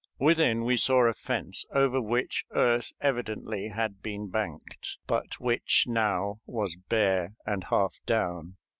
Within we saw a fence over which earth evidently had been banked, but which now was bare and half down.